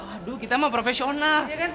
waduh kita mah profesional